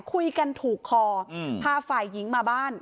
คุยกันถูกคอพาฝ่ายหญิงมาบ้าน